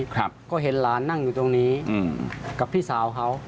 ครับก็เห็นหลานนั่งอยู่ตรงนี้อืมกับพี่สาวเขา